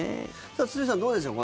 堤さん、どうでしょう。